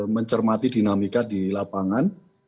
mencermati dinamika di lapangan